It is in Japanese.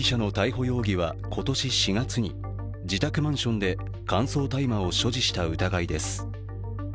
永山容疑者の逮捕容疑は今年４月に自宅マンションで乾燥大麻を所持した疑いです。